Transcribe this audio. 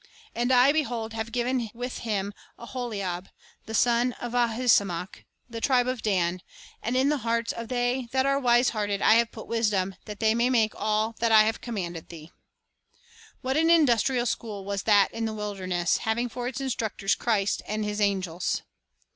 And I, behold, I have given with him Aholiab, the son of Ahisamacb, of the tribe of Dan; and in the hearts of all that are wise hearted I have put wisdom, that they may make all that I have commanded thee." 1 What an industrial school was that in the wilderness, having for its instructors Christ and His angels!